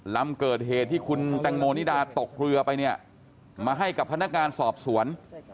ลำเกิดเหตุที่คุณแตงโมนิดาตกเรือไปเนี่ยมาให้กับพนักงานสอบสวน